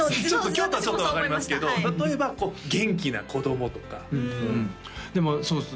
京都はちょっと分かりますけど例えば元気な子供とかでもそうです